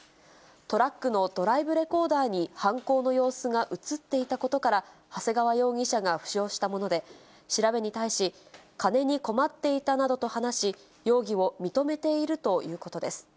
トラックのドライブレコーダーに犯行の様子が写っていたことから、長谷川容疑者が浮上したもので、調べに対し、金に困っていたなどと話し、容疑を認めているということです。